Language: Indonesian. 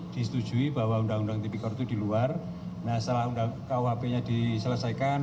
disetujui bahwa undang undang tipikor itu di luar nah setelah kuhp nya diselesaikan